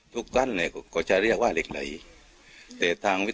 แล้วท่านผู้ชมครับบอกว่าตามความเชื่อขายใต้ตัวนะครับ